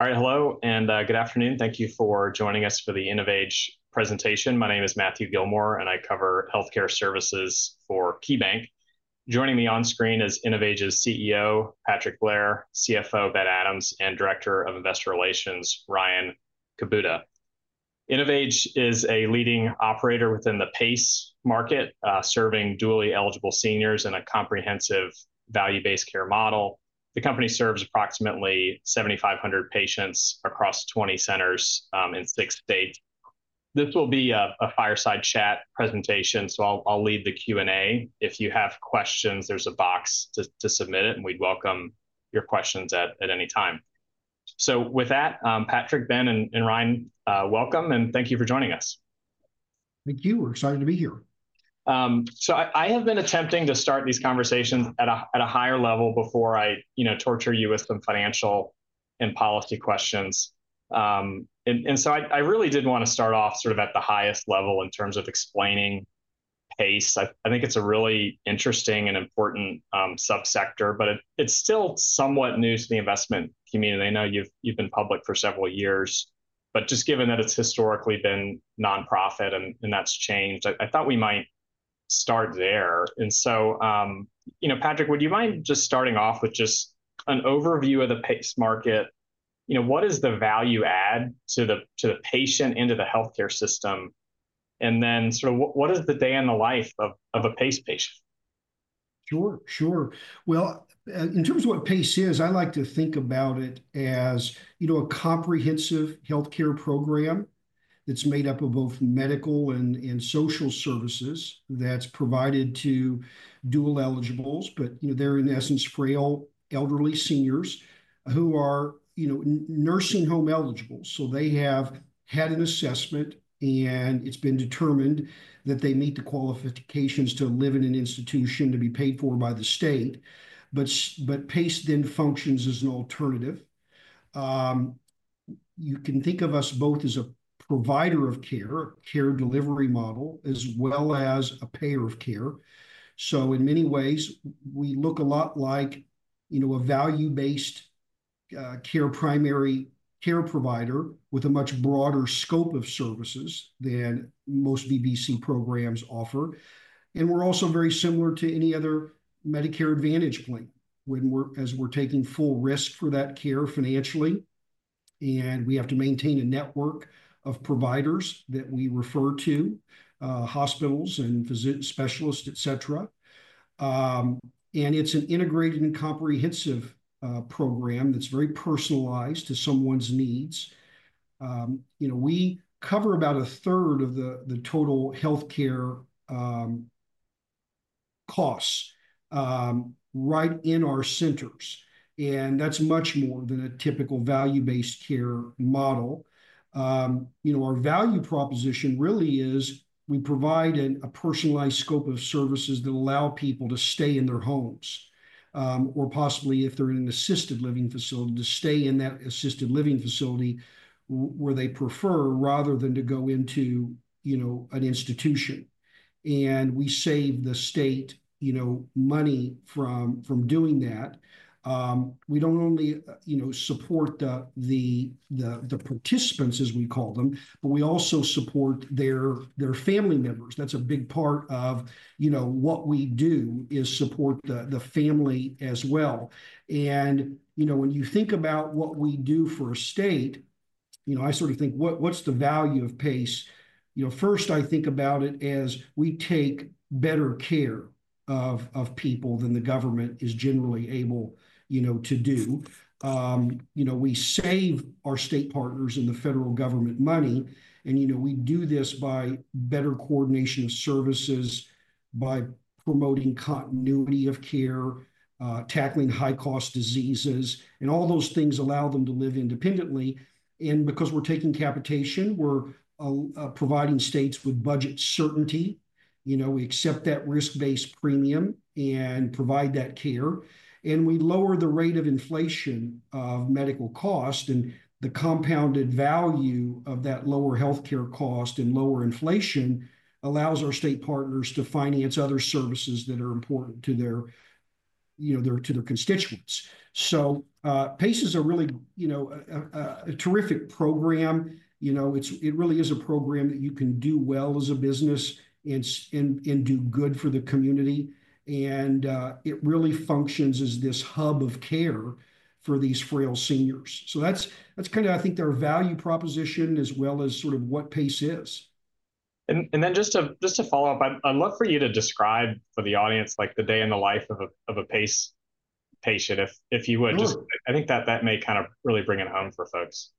All right, hello and good afternoon. Thank you for joining us for the InnovAge Presentation. My name is Matthew Gillmor, and I cover healthcare services for KeyBanc. Joining me on screen is InnovAge's CEO, Patrick Blair, CFO, Ben Adams, and Director of Investor Relations, Ryan Kubota. InnovAge is a leading operator within the PACE market, serving dually eligible seniors in a comprehensive value-based care model. The company serves approximately 7,500 patients across 20 centers in six states. This will be a fireside chat presentation, so I'll lead the Q&A. If you have questions, there's a box to submit it, and we'd welcome your questions at any time. With that, Patrick, Ben, and Ryan, welcome, and thank you for joining us. Thank you. We're excited to be here. I have been attempting to start these conversations at a higher level before I torture you with some financial and policy questions. I really did want to start off sort of at the highest level in terms of explaining PACE. I think it's a really interesting and important subsector, but it's still somewhat new to the investment community. I know you've been public for several years, but just given that it's historically been nonprofit and that's changed, I thought we might start there. Patrick, would you mind just starting off with just an overview of the PACE market? What is the value add to the patient and to the healthcare system? Then sort of what is the day in the life of a PACE patient? Sure, sure. In terms of what PACE is, I like to think about it as a comprehensive healthcare program that's made up of both medical and social services that's provided to dual eligibles, but they're, in essence, frail elderly seniors who are nursing home eligible. They have had an assessment, and it's been determined that they meet the qualifications to live in an institution to be paid for by the state. PACE then functions as an alternative. You can think of us both as a provider of care, a care delivery model, as well as a payer of care. In many ways, we look a lot like a value-based care primary care provider with a much broader scope of services than most PACE programs offer. We are also very similar to any other Medicare Advantage plan when we're taking full risk for that care financially. We have to maintain a network of providers that we refer to, hospitals and physician specialists, etc. It is an integrated and comprehensive program that is very personalized to someone's needs. We cover about a third of the total healthcare costs right in our centers. That is much more than a typical value-based care model. Our value proposition really is we provide a personalized scope of services that allow people to stay in their homes or possibly, if they are in an assisted living facility, to stay in that assisted living facility where they prefer rather than to go into an institution. We save the state money from doing that. We do not only support the participants, as we call them, but we also support their family members. That is a big part of what we do, support the family as well. When you think about what we do for a state, I sort of think, what's the value of PACE? First, I think about it as we take better care of people than the government is generally able to do. We save our state partners and the federal government money. We do this by better coordination of services, by promoting continuity of care, tackling high-cost diseases, and all those things allow them to live independently. Because we're taking capitation, we're providing states with budget certainty. We accept that risk-based premium and provide that care. We lower the rate of inflation of medical costs. The compounded value of that lower healthcare cost and lower inflation allows our state partners to finance other services that are important to their constituents. PACE is a really terrific program. It really is a program that you can do well as a business and do good for the community. It really functions as this hub of care for these frail seniors. That is kind of, I think, their value proposition as well as sort of what PACE is. Just to follow up, I'd love for you to describe for the audience the day in the life of a PACE patient, if you would. I think that may kind of really bring it home for folks.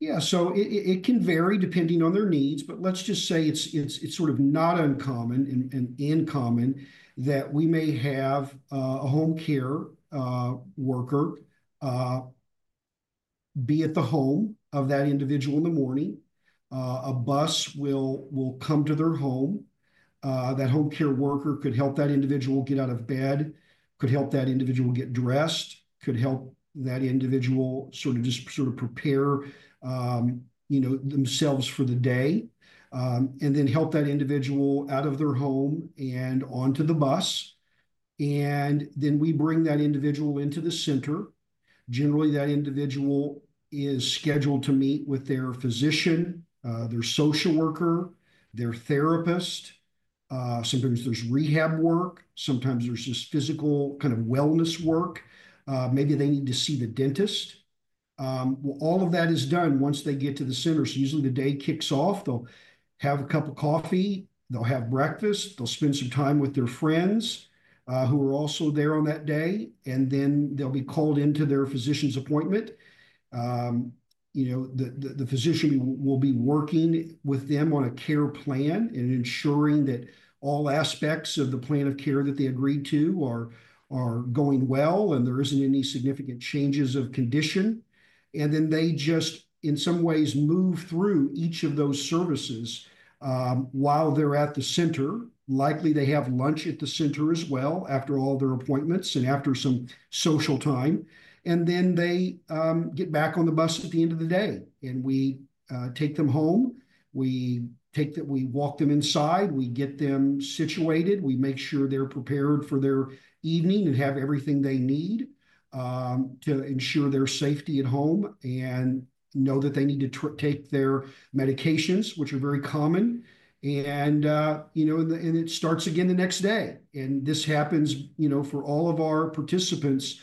Yeah. It can vary depending on their needs, but let's just say it's sort of not uncommon and common that we may have a home care worker be at the home of that individual in the morning. A bus will come to their home. That home care worker could help that individual get out of bed, could help that individual get dressed, could help that individual sort of prepare themselves for the day, and then help that individual out of their home and onto the bus. We bring that individual into the center. Generally, that individual is scheduled to meet with their physician, their social worker, their therapist. Sometimes there's rehab work. Sometimes there's just physical kind of wellness work. Maybe they need to see the dentist. All of that is done once they get to the center. Usually the day kicks off. They'll have a cup of coffee. They'll have breakfast. They'll spend some time with their friends who are also there on that day. They'll be called into their physician's appointment. The physician will be working with them on a care plan and ensuring that all aspects of the plan of care that they agreed to are going well and there aren't any significant changes of condition. They just, in some ways, move through each of those services while they're at the center. Likely, they have lunch at the center as well after all their appointments and after some social time. They get back on the bus at the end of the day. We take them home. We walk them inside. We get them situated. We make sure they're prepared for their evening and have everything they need to ensure their safety at home and know that they need to take their medications, which are very common. It starts again the next day. This happens for all of our participants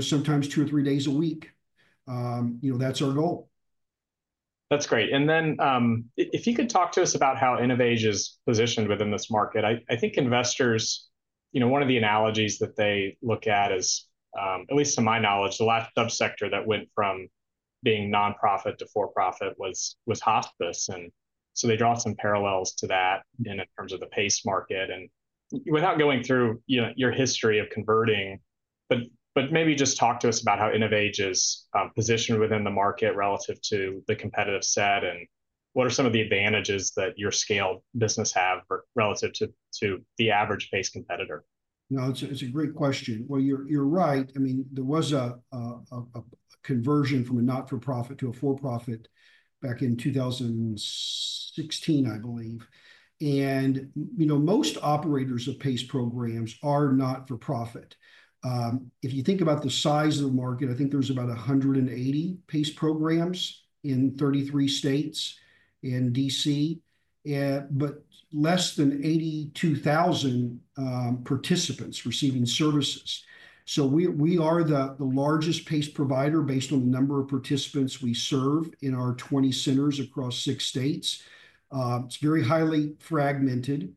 sometimes two or three days a week. That's our goal. That's great. If you could talk to us about how InnovAge is positioned within this market. I think investors, one of the analogies that they look at is, at least to my knowledge, the last subsector that went from being nonprofit to for-profit was hospice. They draw some parallels to that in terms of the PACE market. Without going through your history of converting, maybe just talk to us about how InnovAge is positioned within the market relative to the competitive set and what are some of the advantages that your scaled business have relative to the average PACE competitor. No, it's a great question. You're right. I mean, there was a conversion from a not-for-profit to a for-profit back in 2016, I believe. Most operators of PACE programs are not-for-profit. If you think about the size of the market, I think there's about 180 PACE programs in 33 states and D.C., but less than 82,000 participants receiving services. We are the largest PACE provider based on the number of participants we serve in our 20 centers across six states. It's very highly fragmented.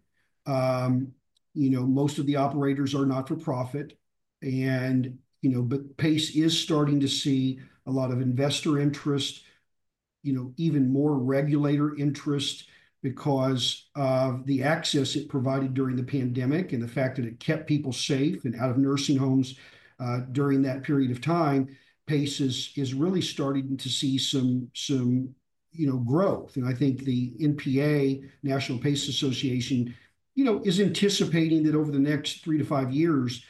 Most of the operators are not-for-profit. PACE is starting to see a lot of investor interest, even more regulator interest because of the access it provided during the pandemic and the fact that it kept people safe and out of nursing homes during that period of time. PACE is really starting to see some growth. I think the NPA, National PACE Association, is anticipating that over the next three to five years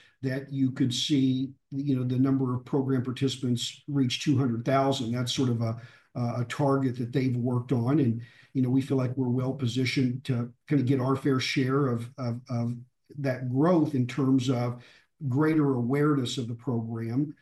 you could see the number of program participants reach 200,000. That is sort of a target that they have worked on. We feel like we are well positioned to get our fair share of that growth in terms of greater awareness of the program.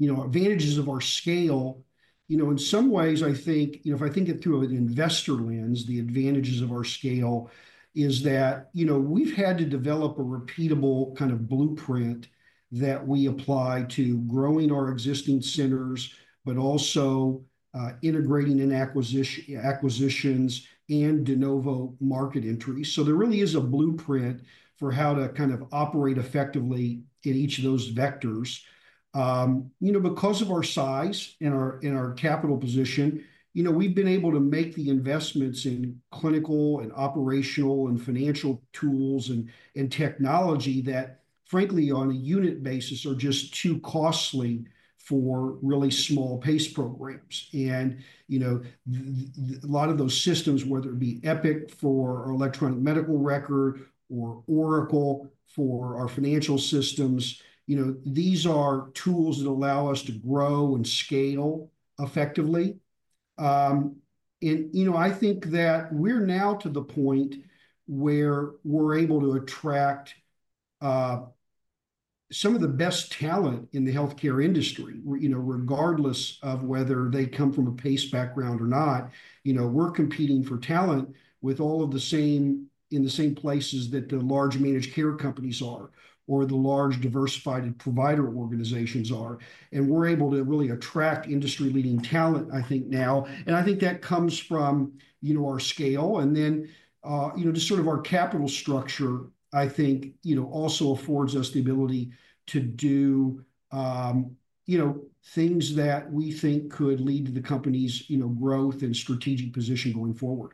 Advantages of our scale, in some ways, I think, if I think it through an investor lens, the advantages of our scale is that we have had to develop a repeatable kind of blueprint that we apply to growing our existing centers, but also integrating in acquisitions and de novo market entries. There really is a blueprint for how to operate effectively in each of those vectors. Because of our size and our capital position, we've been able to make the investments in clinical and operational and financial tools and technology that, frankly, on a unit basis are just too costly for really small PACE programs. A lot of those systems, whether it be Epic for our electronic medical record or Oracle for our financial systems, these are tools that allow us to grow and scale effectively. I think that we're now to the point where we're able to attract some of the best talent in the healthcare industry, regardless of whether they come from a PACE background or not. We're competing for talent in the same places that the large managed care companies are or the large diversified provider organizations are. We're able to really attract industry-leading talent, I think, now. I think that comes from our scale. Our capital structure, I think, also affords us the ability to do things that we think could lead to the company's growth and strategic position going forward.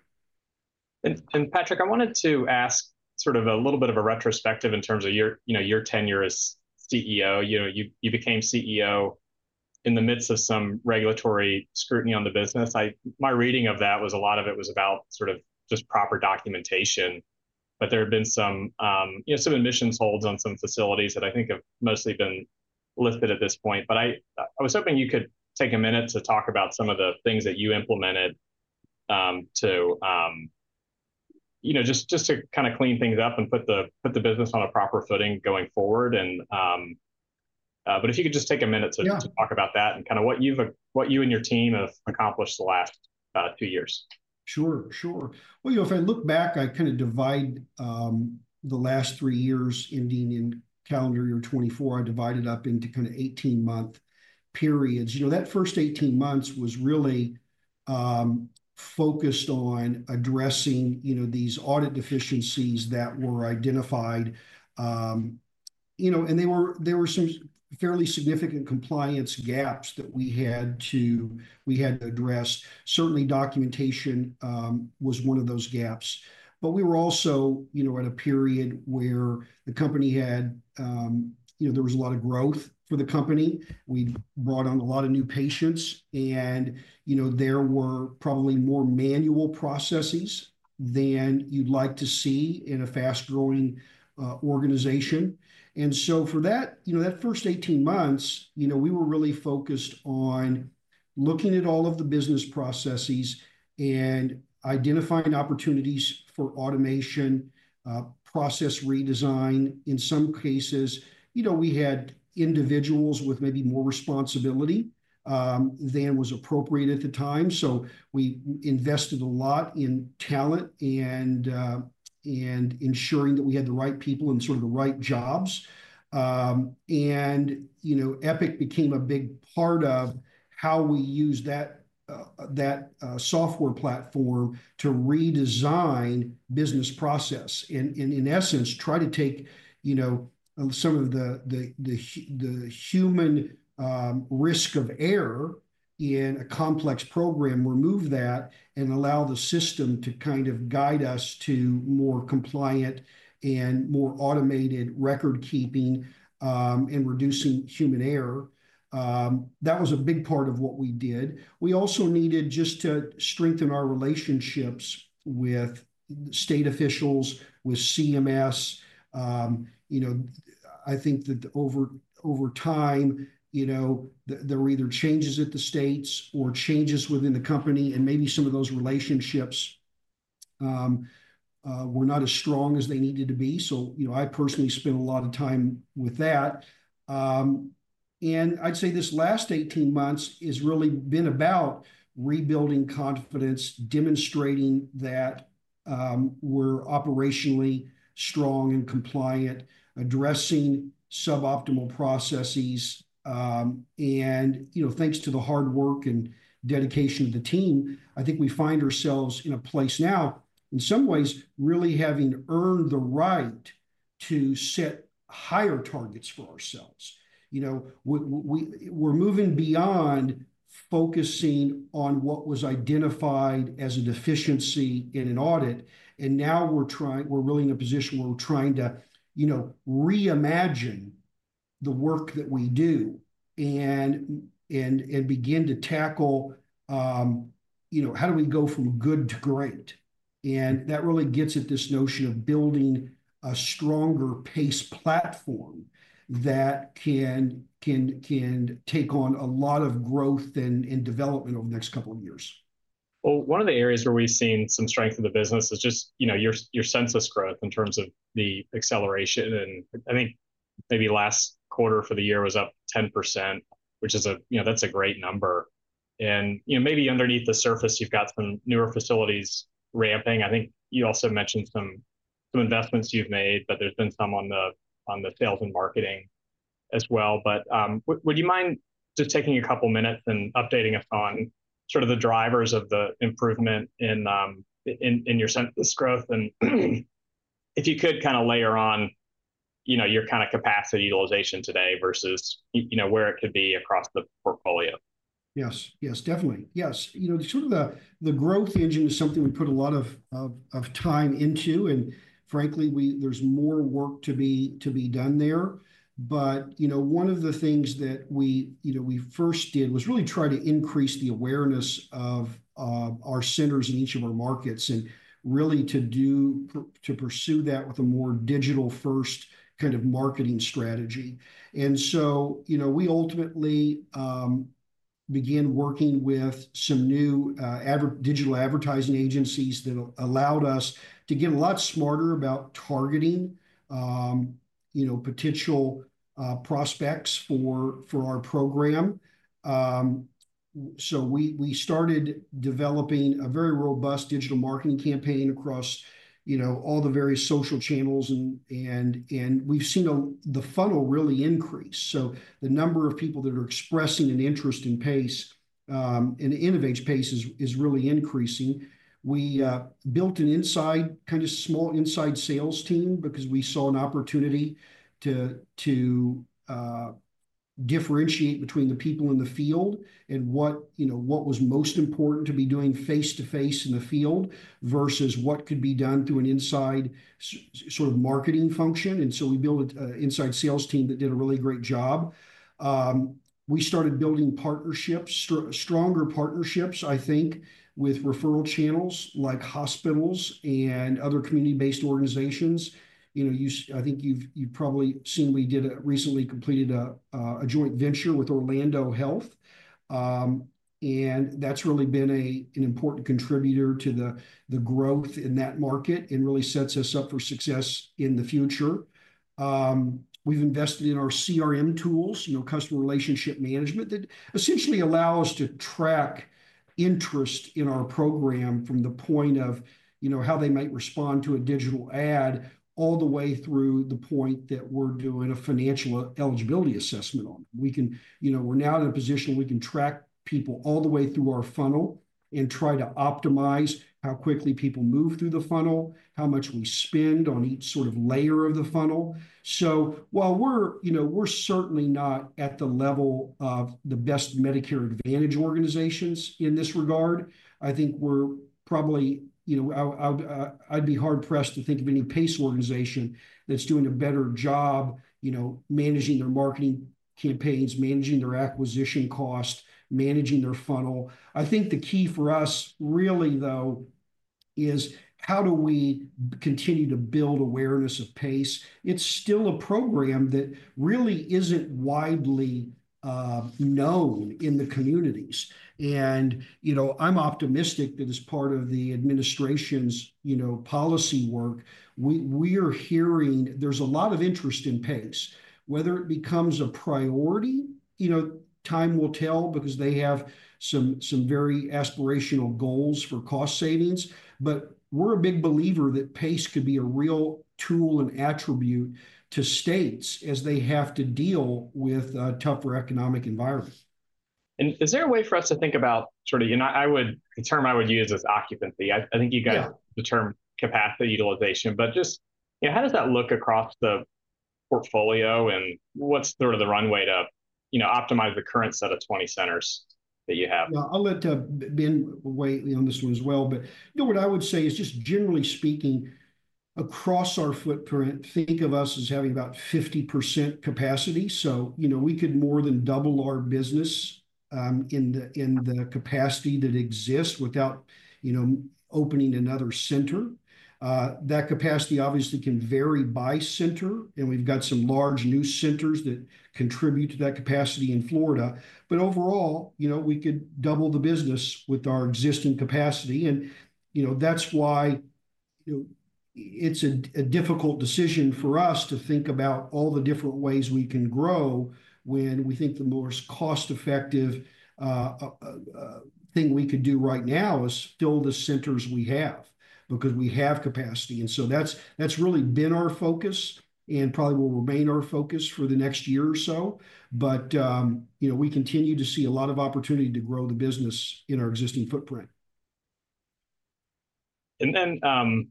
Patrick, I wanted to ask sort of a little bit of a retrospective in terms of your tenure as CEO. You became CEO in the midst of some regulatory scrutiny on the business. My reading of that was a lot of it was about sort of just proper documentation. There have been some admissions holds on some facilities that I think have mostly been lifted at this point. I was hoping you could take a minute to talk about some of the things that you implemented just to kind of clean things up and put the business on a proper footing going forward. If you could just take a minute to talk about that and kind of what you and your team have accomplished the last two years. Sure, sure. If I look back, I kind of divide the last three years ending in calendar year 2024. I divide it up into kind of 18-month periods. That first 18 months was really focused on addressing these audit deficiencies that were identified. There were some fairly significant compliance gaps that we had to address. Certainly, documentation was one of those gaps. We were also at a period where the company had a lot of growth. We brought on a lot of new patients. There were probably more manual processes than you'd like to see in a fast-growing organization. For that first 18 months, we were really focused on looking at all of the business processes and identifying opportunities for automation, process redesign. In some cases, we had individuals with maybe more responsibility than was appropriate at the time. We invested a lot in talent and ensuring that we had the right people and sort of the right jobs. Epic became a big part of how we used that software platform to redesign business process and, in essence, try to take some of the human risk of error in a complex program, remove that, and allow the system to kind of guide us to more compliant and more automated record-keeping and reducing human error. That was a big part of what we did. We also needed just to strengthen our relationships with state officials, with CMS. I think that over time, there were either changes at the states or changes within the company, and maybe some of those relationships were not as strong as they needed to be. I personally spent a lot of time with that. I would say this last 18 months has really been about rebuilding confidence, demonstrating that we are operationally strong and compliant, addressing suboptimal processes. Thanks to the hard work and dedication of the team, I think we find ourselves in a place now, in some ways, really having earned the right to set higher targets for ourselves. We are moving beyond focusing on what was identified as a deficiency in an audit. Now we are really in a position where we are trying to reimagine the work that we do and begin to tackle how we go from good to great. That really gets at this notion of building a stronger PACE platform that can take on a lot of growth and development over the next couple of years. One of the areas where we've seen some strength in the business is just your census growth in terms of the acceleration. I think maybe last quarter for the year was up 10%, which is a great number. Maybe underneath the surface, you've got some newer facilities ramping. I think you also mentioned some investments you've made, there has been some on the sales and marketing as well. Would you mind just taking a couple of minutes and updating us on sort of the drivers of the improvement in your census growth? If you could kind of layer on your kind of capacity utilization today versus where it could be across the portfolio. Yes, yes, definitely. Yes. Sort of the growth engine is something we put a lot of time into. Frankly, there's more work to be done there. One of the things that we first did was really try to increase the awareness of our centers in each of our markets and really to pursue that with a more digital-first kind of marketing strategy. We ultimately began working with some new digital advertising agencies that allowed us to get a lot smarter about targeting potential prospects for our program. We started developing a very robust digital marketing campaign across all the various social channels. We have seen the funnel really increase. The number of people that are expressing an interest in PACE and InnovAge PACE is really increasing. We built an inside kind of small inside sales team because we saw an opportunity to differentiate between the people in the field and what was most important to be doing face-to-face in the field versus what could be done through an inside sort of marketing function. We built an inside sales team that did a really great job. We started building partnerships, stronger partnerships, I think, with referral channels like hospitals and other community-based organizations. I think you've probably seen we recently completed a joint venture with Orlando Health. That has really been an important contributor to the growth in that market and really sets us up for success in the future. We've invested in our CRM tools, customer relationship management, that essentially allow us to track interest in our program from the point of how they might respond to a digital ad all the way through the point that we're doing a financial eligibility assessment on. We're now in a position we can track people all the way through our funnel and try to optimize how quickly people move through the funnel, how much we spend on each sort of layer of the funnel. While we're certainly not at the level of the best Medicare Advantage organizations in this regard, I think we're probably, I'd be hard-pressed to think of any PACE organization that's doing a better job managing their marketing campaigns, managing their acquisition cost, managing their funnel. I think the key for us really, though, is how do we continue to build awareness of PACE? It's still a program that really isn't widely known in the communities. I'm optimistic that as part of the administration's policy work, we are hearing there's a lot of interest in PACE. Whether it becomes a priority, time will tell because they have some very aspirational goals for cost savings. We are a big believer that PACE could be a real tool and attribute to states as they have to deal with a tougher economic environment. Is there a way for us to think about sort of the term I would use is occupancy? I think you guys have the term capacity utilization. Just how does that look across the portfolio and what's sort of the runway to optimize the current set of 20 centers that you have? Yeah, I'll let Ben weigh in on this one as well. What I would say is just generally speaking, across our footprint, think of us as having about 50% capacity. We could more than double our business in the capacity that exists without opening another center. That capacity obviously can vary by center. We have some large new centers that contribute to that capacity in Florida. Overall, we could double the business with our existing capacity. That is why it's a difficult decision for us to think about all the different ways we can grow when we think the most cost-effective thing we could do right now is fill the centers we have because we have capacity. That has really been our focus and probably will remain our focus for the next year or so. We continue to see a lot of opportunity to grow the business in our existing footprint. Coming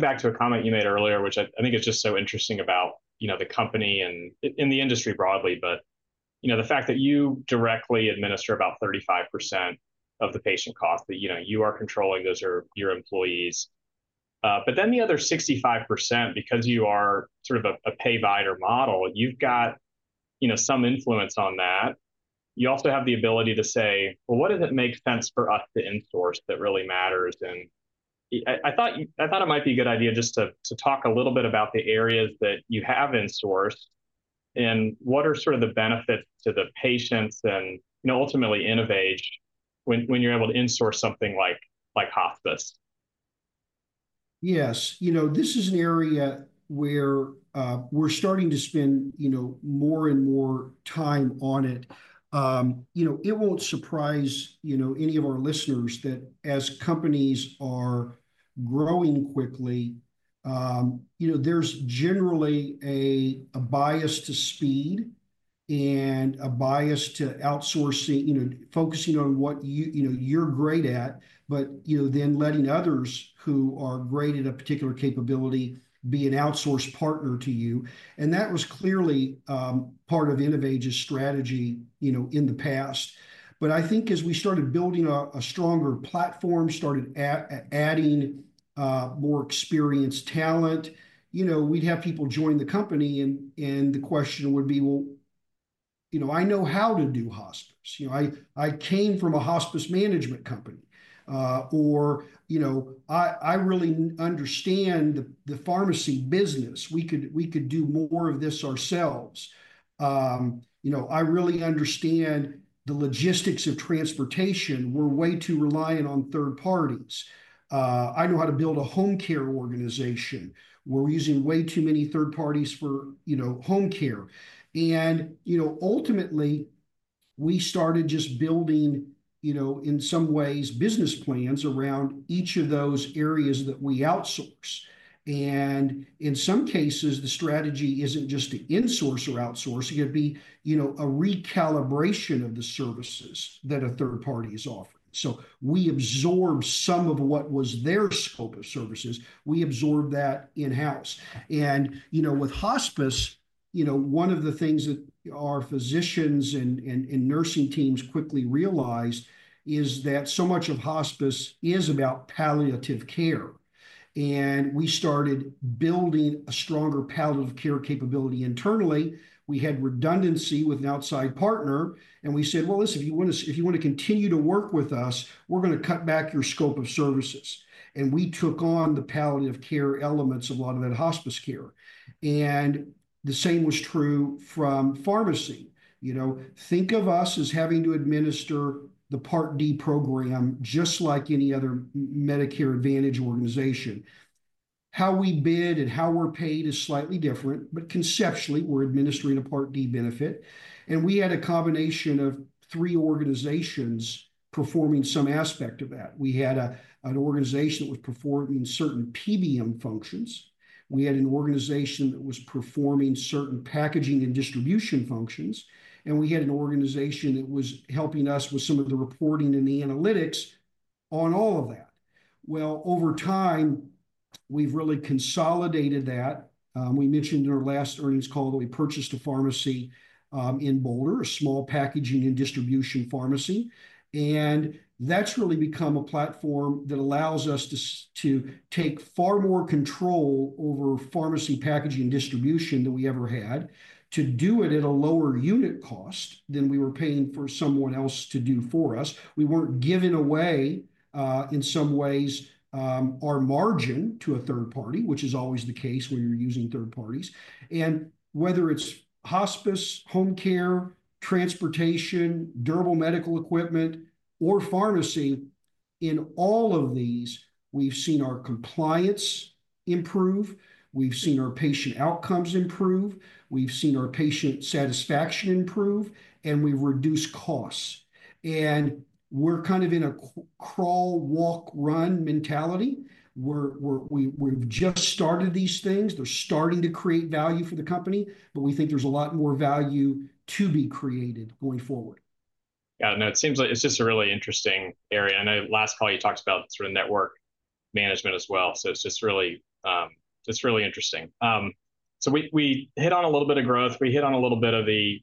back to a comment you made earlier, which I think is just so interesting about the company and in the industry broadly, the fact that you directly administer about 35% of the patient cost that you are controlling, those are your employees. The other 65%, because you are sort of a pay-vider model, you have some influence on that. You also have the ability to say, "What does it make sense for us to insource that really matters?" I thought it might be a good idea just to talk a little bit about the areas that you have insourced and what are the benefits to the patients and ultimately InnovAge when you are able to insource something like hospice. Yes. This is an area where we're starting to spend more and more time on it. It won't surprise any of our listeners that as companies are growing quickly, there's generally a bias to speed and a bias to outsourcing, focusing on what you're great at, but then letting others who are great at a particular capability be an outsourced partner to you. That was clearly part of InnovAge's strategy in the past. I think as we started building a stronger platform, started adding more experienced talent, we'd have people join the company and the question would be, "Well, I know how to do hospice. I came from a hospice management company." Or, "I really understand the pharmacy business. We could do more of this ourselves. I really understand the logistics of transportation. We're way too reliant on third parties. I know how to build a home care organization. We're using way too many third parties for home care. Ultimately, we started just building, in some ways, business plans around each of those areas that we outsource. In some cases, the strategy isn't just to insource or outsource. It could be a recalibration of the services that a third party is offering. We absorbed some of what was their scope of services. We absorbed that in-house. With hospice, one of the things that our physicians and nursing teams quickly realized is that so much of hospice is about palliative care. We started building a stronger palliative care capability internally. We had redundancy with an outside partner. We said, "Well, listen, if you want to continue to work with us, we're going to cut back your scope of services." We took on the palliative care elements of a lot of that hospice care. The same was true from pharmacy. Think of us as having to administer the Part D program just like any other Medicare Advantage organization. How we bid and how we're paid is slightly different, but conceptually, we're administering a Part D benefit. We had a combination of three organizations performing some aspect of that. We had an organization that was performing certain PBM functions. We had an organization that was performing certain packaging and distribution functions. We had an organization that was helping us with some of the reporting and the analytics on all of that. Over time, we've really consolidated that. We mentioned in our last earnings call that we purchased a pharmacy in Boulder, a small packaging and distribution pharmacy. That has really become a platform that allows us to take far more control over pharmacy packaging and distribution than we ever had, to do it at a lower unit cost than we were paying for someone else to do for us. We were not giving away, in some ways, our margin to a third party, which is always the case when you are using third parties. Whether it is hospice, home care, transportation, durable medical equipment, or pharmacy, in all of these, we have seen our compliance improve. We have seen our patient outcomes improve. We have seen our patient satisfaction improve. We have reduced costs. We are kind of in a crawl, walk, run mentality. We have just started these things. They are starting to create value for the company. We think there's a lot more value to be created going forward. Yeah. It seems like it's just a really interesting area. Last call, you talked about sort of network management as well. It's just really interesting. We hit on a little bit of growth. We hit on a little bit of the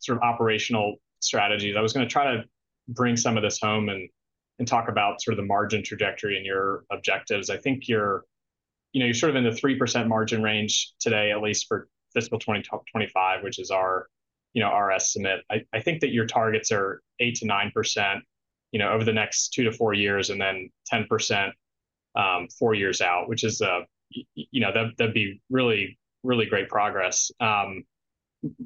sort of operational strategies. I was going to try to bring some of this home and talk about sort of the margin trajectory and your objectives. I think you're sort of in the 3% margin range today, at least for fiscal 2025, which is our estimate. I think that your targets are 8%-9% over the next two to four years and then 10% four years out, which that'd be really, really great progress.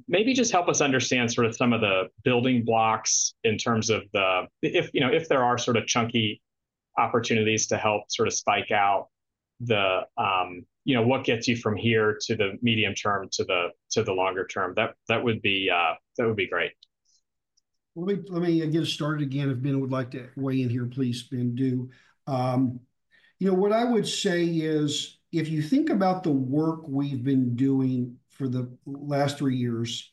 Maybe just help us understand sort of some of the building blocks in terms of if there are sort of chunky opportunities to help sort of spike out what gets you from here to the medium term to the longer term. That would be great. Let me get us started again. If Ben would like to weigh in here, please, Ben, do. What I would say is if you think about the work we've been doing for the last three years,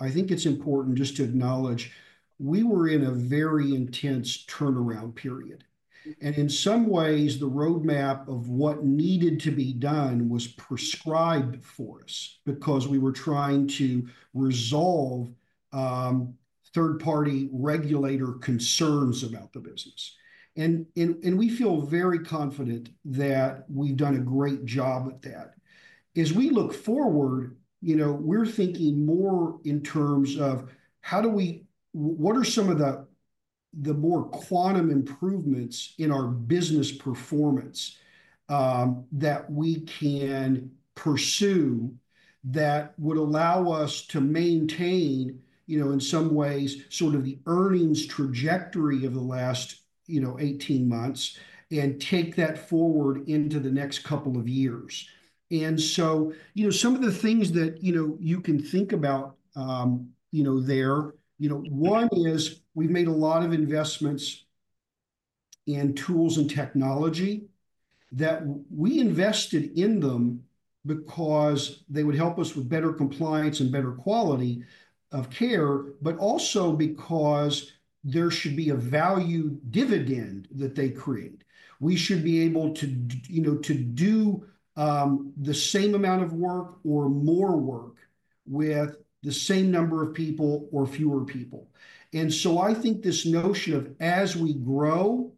I think it's important just to acknowledge we were in a very intense turnaround period. In some ways, the roadmap of what needed to be done was prescribed for us because we were trying to resolve third-party regulator concerns about the business. We feel very confident that we've done a great job at that. As we look forward, we're thinking more in terms of what are some of the more quantum improvements in our business performance that we can pursue that would allow us to maintain, in some ways, sort of the earnings trajectory of the last 18 months and take that forward into the next couple of years. Some of the things that you can think about there, one is we've made a lot of investments in tools and technology that we invested in them because they would help us with better compliance and better quality of care, but also because there should be a value dividend that they create. We should be able to do the same amount of work or more work with the same number of people or fewer people. I think this notion of, as we grow,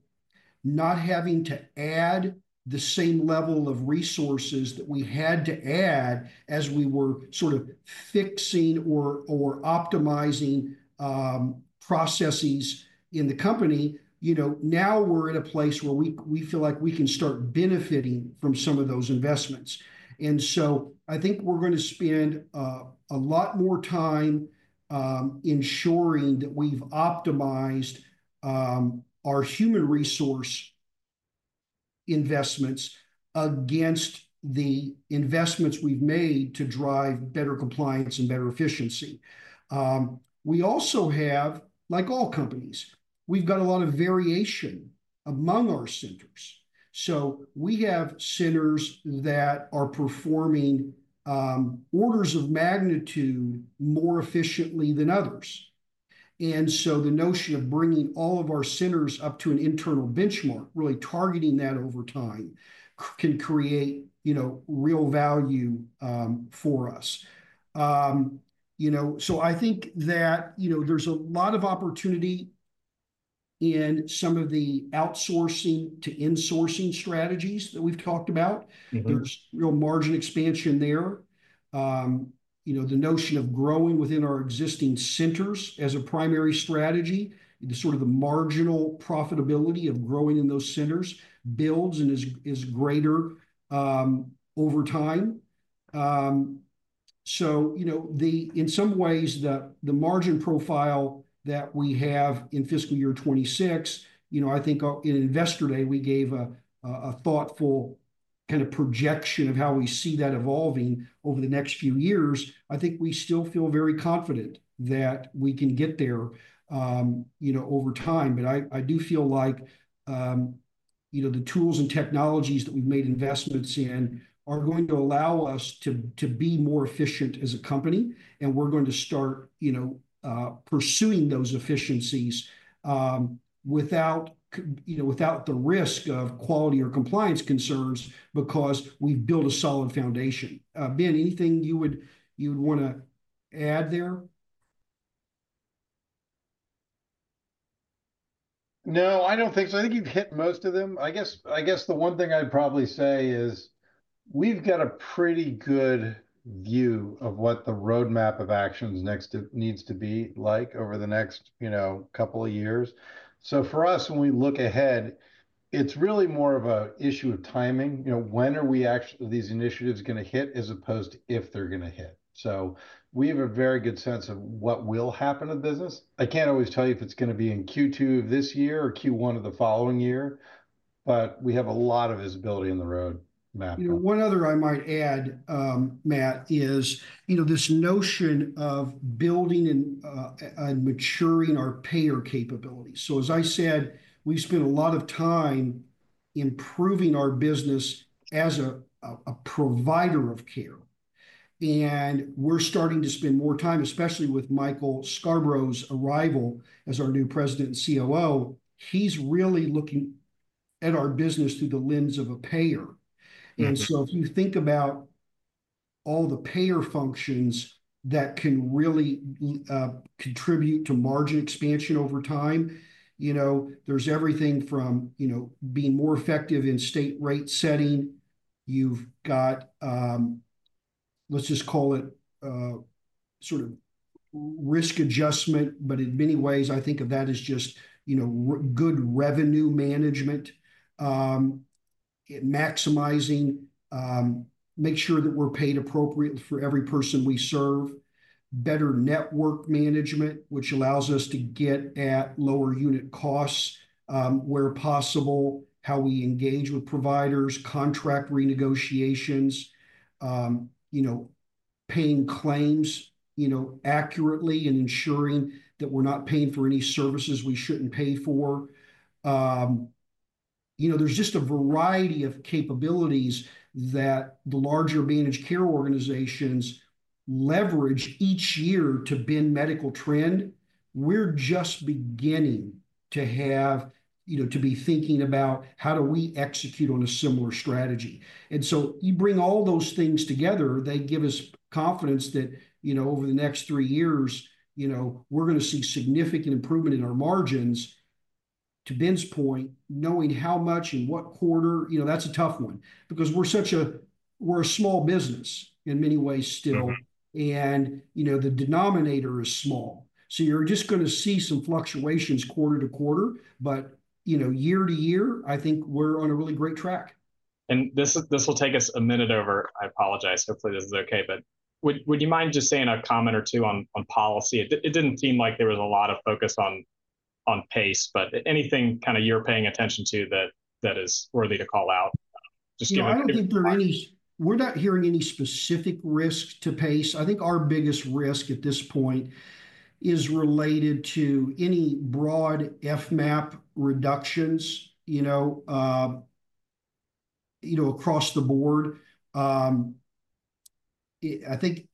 not having to add the same level of resources that we had to add as we were sort of fixing or optimizing processes in the company, now we're at a place where we feel like we can start benefiting from some of those investments. I think we're going to spend a lot more time ensuring that we've optimized our human resource investments against the investments we've made to drive better compliance and better efficiency. We also have, like all companies, we've got a lot of variation among our centers. We have centers that are performing orders of magnitude more efficiently than others. The notion of bringing all of our centers up to an internal benchmark, really targeting that over time, can create real value for us. I think that there's a lot of opportunity in some of the outsourcing to insourcing strategies that we've talked about. There's real margin expansion there. The notion of growing within our existing centers as a primary strategy, the sort of marginal profitability of growing in those centers builds and is greater over time. In some ways, the margin profile that we have in fiscal year 2026, I think in Investor Day, we gave a thoughtful kind of projection of how we see that evolving over the next few years. I think we still feel very confident that we can get there over time. I do feel like the tools and technologies that we've made investments in are going to allow us to be more efficient as a company. We're going to start pursuing those efficiencies without the risk of quality or compliance concerns because we've built a solid foundation. Ben, anything you would want to add there? No, I don't think so. I think you've hit most of them. I guess the one thing I'd probably say is we've got a pretty good view of what the roadmap of actions needs to be like over the next couple of years. For us, when we look ahead, it's really more of an issue of timing. When are these initiatives going to hit as opposed to if they're going to hit? We have a very good sense of what will happen to the business. I can't always tell you if it's going to be in Q2 of this year or Q1 of the following year, but we have a lot of visibility in the roadmap. One other I might add, Matt, is this notion of building and maturing our payer capabilities. As I said, we spend a lot of time improving our business as a provider of care. We are starting to spend more time, especially with Michael Scarbrough's arrival as our new President and COO, he's really looking at our business through the lens of a payer. If you think about all the payer functions that can really contribute to margin expansion over time, there's everything from being more effective in state rate setting. You've got, let's just call it sort of risk adjustment, but in many ways, I think of that as just good revenue management, maximizing, make sure that we're paid appropriately for every person we serve, better network management, which allows us to get at lower unit costs where possible, how we engage with providers, contract renegotiations, paying claims accurately and ensuring that we're not paying for any services we shouldn't pay for. There's just a variety of capabilities that the larger managed care organizations leverage each year to bend medical trend. We're just beginning to be thinking about how do we execute on a similar strategy. You bring all those things together, they give us confidence that over the next three years, we're going to see significant improvement in our margins. To Ben's point, knowing how much and what quarter, that's a tough one because we're a small business in many ways still, and the denominator is small. You are just going to see some fluctuations quarter to quarter, but year to year, I think we're on a really great track. This will take us a minute over. I apologize. Hopefully, this is okay. Would you mind just saying a comment or two on policy? It did not seem like there was a lot of focus on PACE, but anything kind of you are paying attention to that is worthy to call out? I don't think there is. We're not hearing any specific risk to PACE. I think our biggest risk at this point is related to any broad FMAP reductions across the board. I think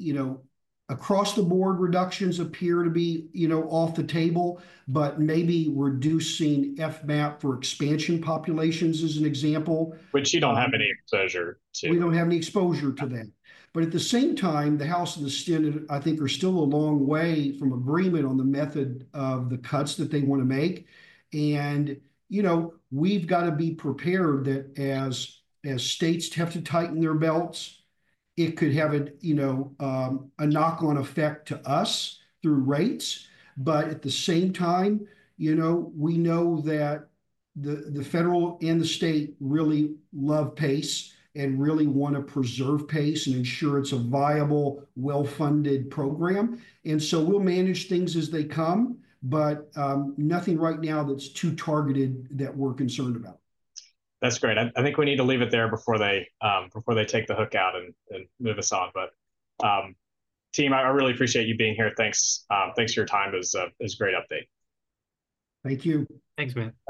across the board, reductions appear to be off the table, but maybe reducing FMAP for expansion populations is an example. Which you don't have any exposure to. We do not have any exposure to that. At the same time, the House and the Senate, I think, are still a long way from agreement on the method of the cuts that they want to make. We have to be prepared that as states have to tighten their belts, it could have a knock-on effect to us through rates. At the same time, we know that the federal and the state really love PACE and really want to preserve PACE and ensure it is a viable, well-funded program. We will manage things as they come, but nothing right now that is too targeted that we are concerned about. That's great. I think we need to leave it there before they take the hook out and move us on. Team, I really appreciate you being here. Thanks for your time. It was a great update. Thank you. Thanks, Matt.